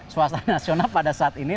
suasana nasional pada saat ini